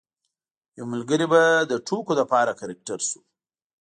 یو ملګری به د ټوکو لپاره کرکټر شو.